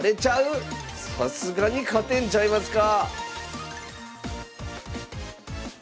さすがに勝てんちゃいますか？